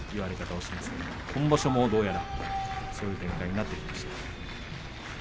今場所もどうやらそういう展開になりそうです。